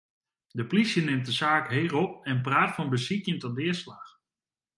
De plysje nimt de saak heech op en praat fan besykjen ta deaslach.